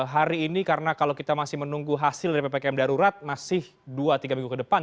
hari ini karena kalau kita masih menunggu hasil dari ppkm darurat masih dua tiga minggu ke depan